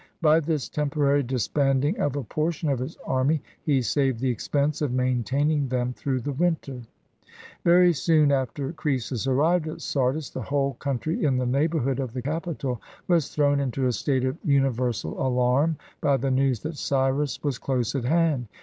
By this temporary disbanding of a portion of his army, he saved the expense of maintaining them through the winter. Very soon after Croesus arrived at Sardis, the whole country in the neighborhood of the capital was thrown into a state of universal alarm by the news that Cyrus was close at hand.